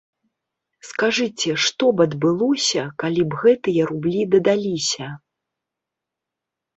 Скажыце, што б адбылося, калі б гэтыя рублі дадаліся?